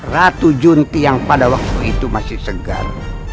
ratu junti yang pada waktu itu masih segar